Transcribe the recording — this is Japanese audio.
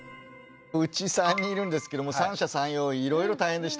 うち３人いるんですけども三者三様いろいろ大変でした。